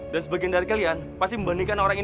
dan sebagian dari kalian pasti membandingkan orang ini